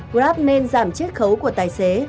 grab nên giảm chiết khấu của tài xế